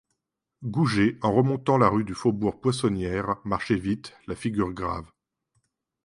Goujet, en remontant la rue du Faubourg-Poissonnière, marchait vite, la figure grave.